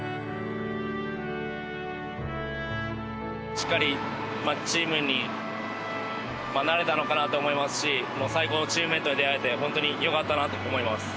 しっかりチームになれたのかなと思いますし最高のチームメートに出会えて本当によかったなと思います。